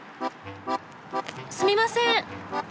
すみません！